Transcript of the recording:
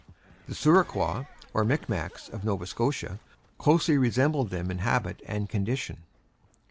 The Souriquois, or Micmacs, of Nova Scotia, closely resembled them in habits and condition.